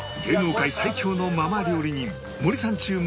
芸能界最強のママ料理人森三中